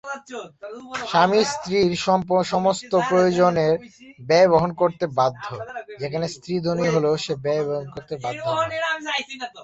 স্বামী, স্ত্রীর সমস্ত প্রয়োজনের ব্যয় বহন করতে বাধ্য, যেখানে স্ত্রী ধনী হলেও সে ব্যয় করতে বাধ্য নন।